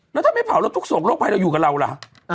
แล้วถ้าไม่เผาแล้วทุกสวงโรคภัยเราอยู่กับเราล่ะ